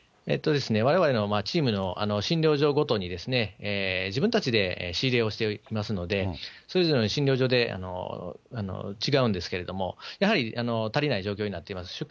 われわれのチームの診療所ごとに、自分たちで仕入れをしていますので、それぞれの診療所で違うんですけれども、やはり足りない状況になっています。